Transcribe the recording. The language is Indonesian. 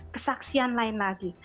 kesaksian lain lagi